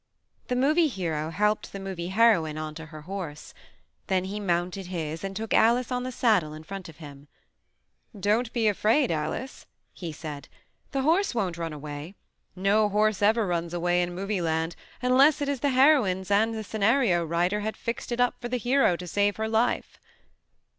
The Movie Hero helped the Movie Heroine onto her horse. Then he mounted his and took Alice on the saddle in front of him. "Don't be afraid, Alice,'' he said. "The horse won't run away. No horse ever runs away in Movie Land unless it is the heroine's and the scenario writer had fixed it up for the hero to save her life."